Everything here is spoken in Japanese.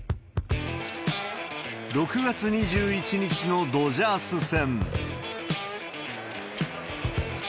６月２１日のドジャース戦。